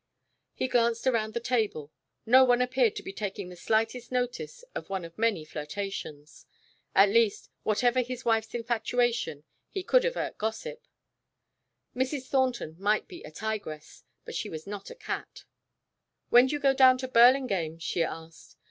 He glanced around the table. No one appeared to be taking the slightest notice of one of many flirtations. At least, whatever his wife's infatuation, he could avert gossip. Mrs. Thornton might be a tigress, but she was not a cat. "When do you go down to Burlingame?" she asked.